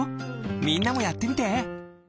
みんなもやってみて！